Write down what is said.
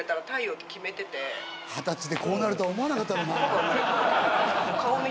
二十歳でこうなるとは思わなかっただろうな。